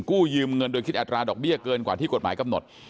กู้ยืมเงินโดยคิดอัตราดอกเบี้ยเกินกว่าที่กฎหมายกำหนด